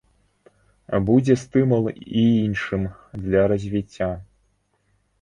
Будзе стымул і іншым для развіцця.